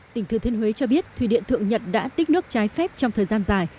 tỉnh thừa thiên huế cho biết thủy điện thượng nhật đã tích nước trái phép trong thời gian dài